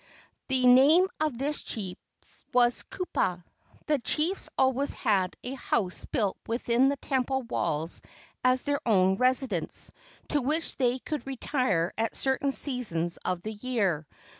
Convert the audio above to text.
The name of this chief was Kupa. The chiefs always had a house built within the temple walls as their own residence, to which they could retire at certain seasons of the year.